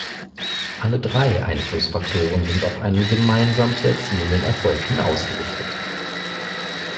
Alle drei Einflussfaktoren sind auf einen gemeinsam zu erzielenden Erfolg hin ausgerichtet.